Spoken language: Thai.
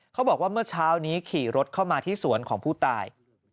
เขาบอกว่าเมื่อเช้านี้ขี่รถเข้ามาที่สวนของผู้ตาย